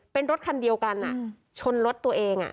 เป็นรถคันเดียวกันชนรถตัวเอง